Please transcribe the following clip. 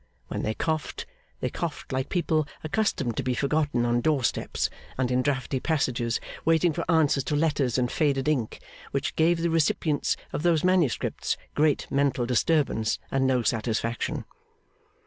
When they coughed, they coughed like people accustomed to be forgotten on doorsteps and in draughty passages, waiting for answers to letters in faded ink, which gave the recipients of those manuscripts great mental disturbance and no satisfaction.